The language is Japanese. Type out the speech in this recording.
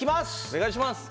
お願いします。